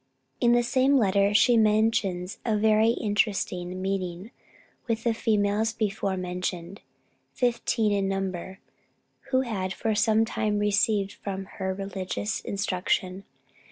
In the same letter she mentions a very interesting meeting with the females before mentioned, fifteen in number, who had for some time received from her religious instruction.